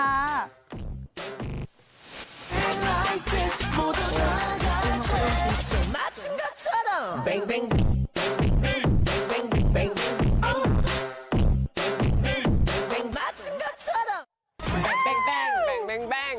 แบงแบงแบงแบงแบง